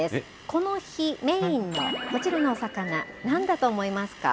この日、メインのこちらのお魚、なんだと思いますか？